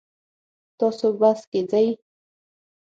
تاسو بس کې ځئ؟